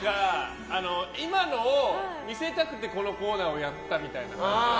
今のを見せたくてこのコーナーをやったみたいな。